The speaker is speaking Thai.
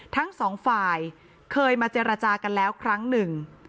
ทั้งสองฝ่ายเคยมาเจรจากันแล้วครั้งหนึ่ง